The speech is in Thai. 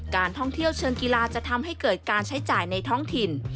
การท่องเที่ยวเชิงกีฬาจะทำให้เกิดการใช้จ่ายในท้องถิ่น